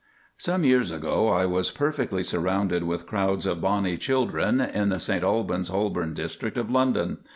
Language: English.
Some years ago I was perfectly surrounded with crowds of bonny children in the St Albans Holborn district of London.